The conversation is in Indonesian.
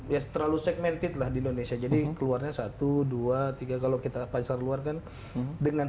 ya terlalu segmented lah di indonesia jadi keluarnya satu dua tiga kalau kita pasar luar kan dengan